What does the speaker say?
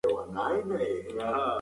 جنګ ویراني راوړي.